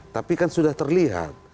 tapi kan sudah terlihat